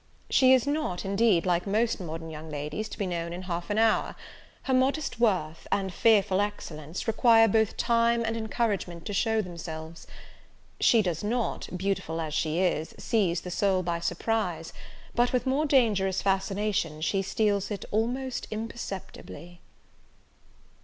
She is not, indeed, like most modern young ladies, to be known in half an hour: her modest worth, and fearful excellence, require both time and encouragement to show themselves. She does not, beautiful as she is, seize the soul by surprise, but, with more dangerous fascination, she steals it almost imperceptibly."